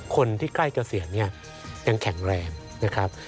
คนที่ใกล้เกษียณเนี่ยยังแข็งแรงนะครับ